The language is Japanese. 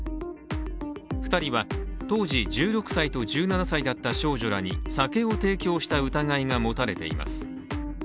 ２人は当時１６歳と１７歳だった少女らに酒を提供した疑いが持たれています。